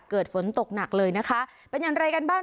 เกิดฝนตกหนักเลยนะคะเป็นอย่างไรกันบ้าง